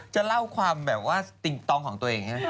จะเล่าความแบบว่าติ่งต้องของตัวเองนะ